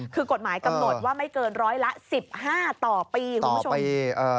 คือกดหมายกำหนดว่าไม่เกิน๑๐๐ละ๑๕ต่อปี